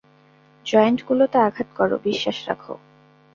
Joint গুলোতে আঘাত কর, বিশ্বাস রাখো।